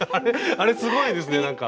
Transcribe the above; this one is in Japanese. あれすごいですねなんか。